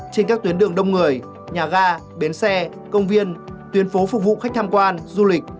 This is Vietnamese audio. trên các tuyến đường đông người nhà ga bến xe công viên tuyến phố phục vụ khách tham quan du lịch